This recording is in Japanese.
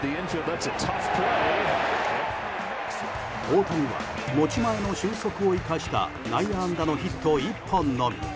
大谷は持ち前の俊足を生かした内野安打のヒット１本のみ。